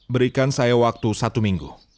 berikan saya waktu satu minggu